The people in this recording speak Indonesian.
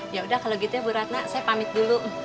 ya udah kalau gitu ya bu ratna saya pamit dulu